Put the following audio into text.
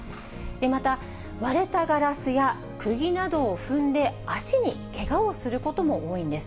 また、割れたガラスやくぎなどを踏んで、足にけがをすることも多いんです。